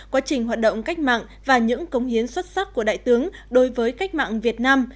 quá trình hoạt động cách mạng và những cống hiến xuất sắc của đại tướng đối với cách mạng việt nam